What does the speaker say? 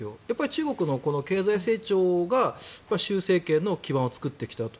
中国の経済成長が習政権の基盤を作ってきたと。